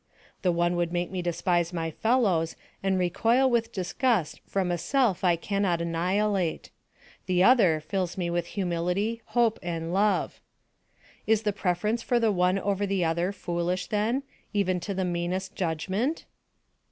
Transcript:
The one would make me despise my fellows and recoil with disgust from a self I cannot annihilate; the other fills me with humility, hope, and love. Is the preference for the one over the other foolish then even to the meanest judgment?